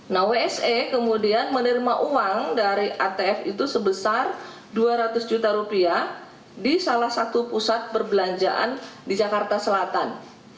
nah wse kemudian menerima uang dari atf itu sebesar dua ratus juta rupiah di salah satu pusat perbelanjaan di jakarta selatan